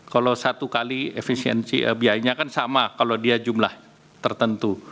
kalau satu kali efisiensi biayanya kan sama kalau dia jumlah tertentu